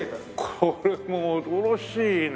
これ恐ろしいね！